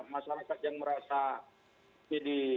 bahwa kejadian seperti ini